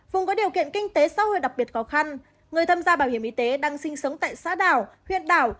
vùng có điều kiện kinh tế xã hội đặc biệt khó khăn người tham gia bảo hiểm y tế đang sinh sống tại xã đảo huyện đảo